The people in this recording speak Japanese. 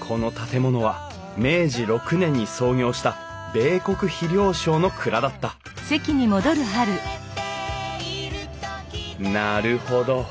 この建物は明治６年に創業した米穀肥料商の蔵だったなるほど。